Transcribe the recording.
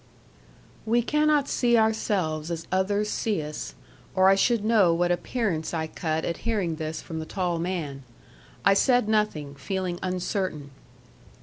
We cannot see ourselves as others see us, or I should know what appearance I cut at hearing this from the tall man. I said nothing, feeling uncertain.